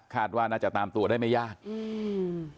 ว่าน่าจะตามตัวได้ไม่ยากอืม